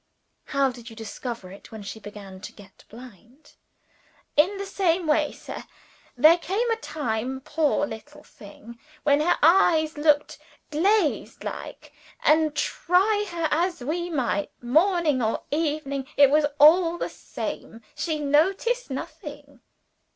"How did you discover it, when she began to get blind?" "In the same way, sir. There came a time, poor little thing, when her eyes looked glazed like, and try her as we might, morning or evening, it was all the same she noticed nothing."